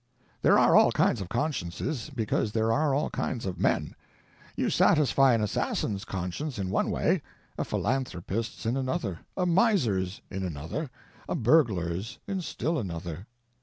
There are all kinds of consciences, because there are all kinds of men. You satisfy an assassin's conscience in one way, a philanthropist's in another, a miser's in another, a burglar's in still another.